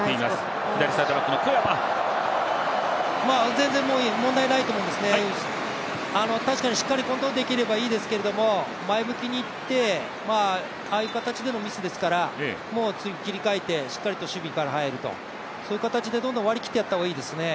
全然問題ないと思いますね、確かにしっかりコントロールできればいいですけど、前向きにいってああいう形のミスですから、次、切り替えて、しっかり守備から入ると、そういう形でどんどん割り切ってやった方がいいですね。